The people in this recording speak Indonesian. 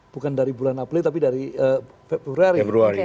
bukan dari bulan april tapi dari februari